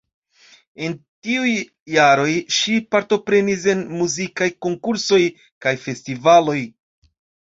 En tiuj jaroj ŝi partoprenis en muzikaj konkursoj kaj festivaloj.